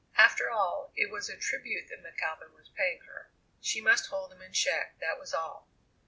After all, it was a tribute that McAlpin was paying her. She must hold him in check, that was all.